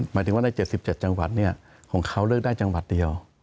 หมายถึงว่าใน๗๗จังหวัดของเขาเลือกได้จังหวัดเดียว